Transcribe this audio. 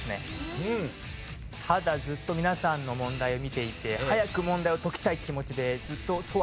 ただずっと皆さんの問題を見ていて早く問題を解きたい気持ちでずっとソワソワしてたので。